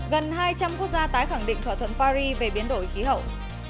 gần hai trăm linh quốc gia tái khẳng định thỏa thuận paris về biến đổi khí hậu